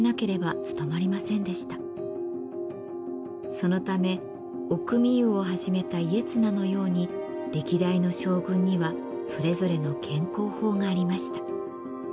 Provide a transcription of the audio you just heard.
そのため御汲湯を始めた家綱のように歴代の将軍にはそれぞれの健康法がありました。